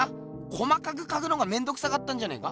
細かく描くのがめんどくさかったんじゃねえか？